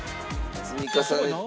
積み重ねて。